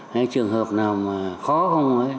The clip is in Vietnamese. hay trường hợp nào mà khó không